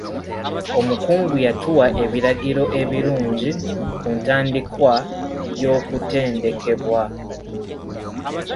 Omukungu yatuwa ebiragiro ebirungi ku ntandikwa y'okutendekebwa.